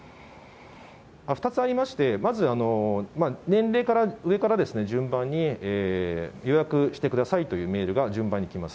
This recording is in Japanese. ２つありまして、まず、年齢から、上から順番に予約してくださいというメールが順番に来ます。